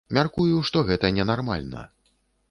Мяркую, што гэта не нармальна.